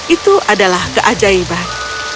itu adalah keajaiban